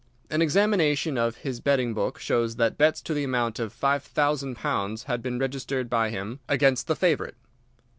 An examination of his betting book shows that bets to the amount of five thousand pounds had been registered by him against the favourite.